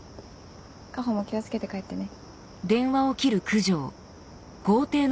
夏穂も気を付けて帰ってね。